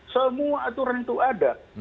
semua aturan itu ada